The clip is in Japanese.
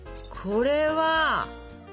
これは！